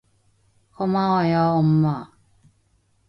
고마워요, 엄마.